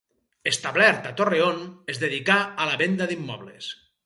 Establert a Torreón, es dedicà a la venda d'immobles.